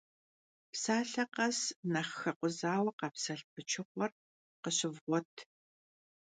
Psalhe khes nexh xekhuzaue khapselh pıçığuer khışıvğuet!